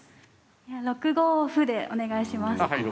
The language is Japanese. ６五歩でお願いします。